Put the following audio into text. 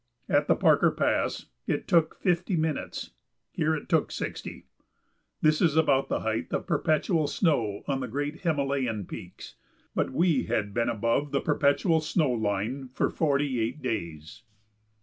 At the Parker Pass it took fifty minutes; here it took sixty. This is about the height of perpetual snow on the great Himalayan peaks; but we had been above the perpetual snow line for forty eight days.